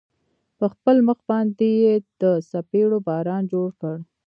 په خپل مخ باندې يې د څپېړو باران جوړ کړ.